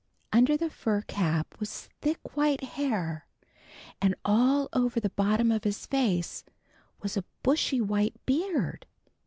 Under the fur cap was thick white hair, and all over the bottom of his face was a bushy white beard.